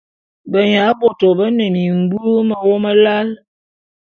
Benyabôtô bé ne mimbu mewôm lal.